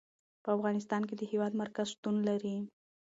په افغانستان کې د هېواد مرکز شتون لري.